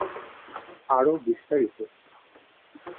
আরো বিস্তারিত-